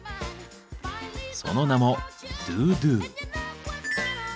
その名も「ドゥドゥ」。